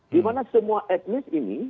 di mana semua etnis ini